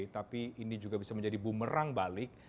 tapi ini juga bisa menjadi bumerang balik